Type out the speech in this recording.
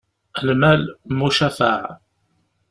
Lmal, mucafaɛ.